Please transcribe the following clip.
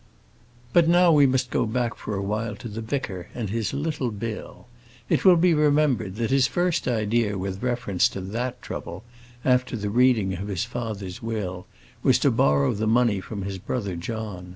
But now we must go back for a while to the vicar and his little bill. It will be remembered, that his first idea with reference to that trouble, after the reading of his father's will, was to borrow the money from his brother John.